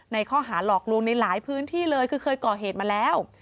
ในข้อหาหลอกลวงในหลายพื้นที่เลยคือเคยก่อเหตุมาแล้ว